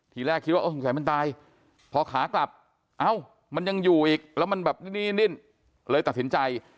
ทีแรกคิดว่าเออสงสัยมันตายพอขากลับเอ้ามันยังอยู่อีกแล้วมันแบบนิ่นเลยตัดสินใจ